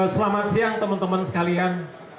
selamat siang teman teman sekalian